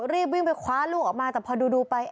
รีบวิ่งไปคว้าลูกออกมาแต่พอดูไป